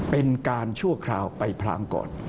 เป็นการชั่วคราวไปพลางก่อน